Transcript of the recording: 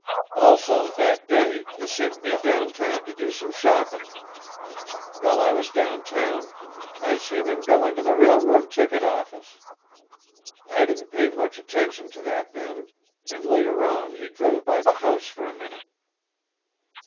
"Also that day he sent me downtown to do some shoppin'. While I was downtown I seen him go into the railroad ticket office. I didn't pay much attention to that then and later on he drove by the house for a minute.